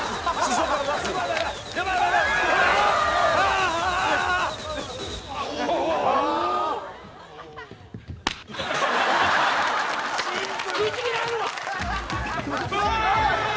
食いちぎられるわ！